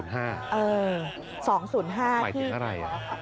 หมายถึงอะไร